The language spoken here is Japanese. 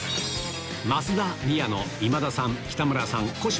増田宮野今田さん北村さん小芝